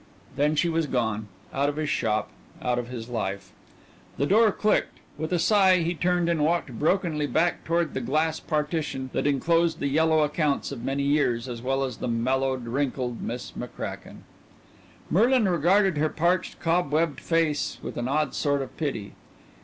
Then she was gone out of his shop out of his life. The door clicked. With a sigh he turned and walked brokenly back toward the glass partition that enclosed the yellowed accounts of many years as well as the mellowed, wrinkled Miss McCracken. Merlin regarded her parched, cobwebbed face with an odd sort of pity.